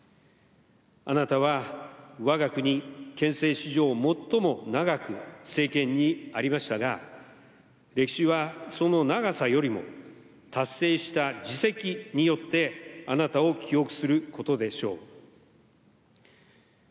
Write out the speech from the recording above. あなたはわが国憲政史上最も長く政権にありましたが、歴史はその長さよりも、達成した実績によって、あなたを記憶することでしょう。